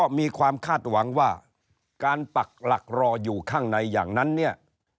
มีความคาดหวังว่าการปักหลักรออยู่ข้างในอย่างนั้นเนี่ย